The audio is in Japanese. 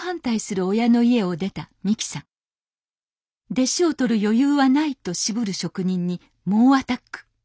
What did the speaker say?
弟子を取る余裕はないと渋る職人に猛アタック。